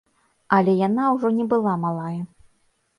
Але яна ўжо не была малая.